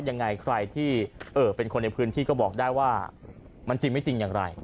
ยังไงใครที่เป็นคนในพื้นที่ก็บอกได้ว่ามันจริงไม่จริงอย่างไร